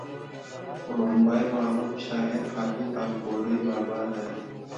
وړومبی معلوم شاعر حافظ الپورۍ بابا دی